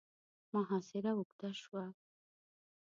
محاصره اوږده شوه.